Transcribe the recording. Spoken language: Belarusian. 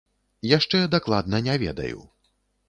Яшчэ дакладна не ведаю.